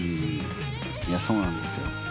そうなんですよ。